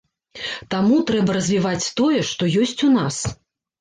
Таму трэба развіваць тое, што ёсць у нас.